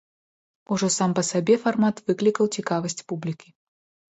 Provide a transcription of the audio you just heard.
Ужо сам па сабе фармат выклікаў цікавасць публікі.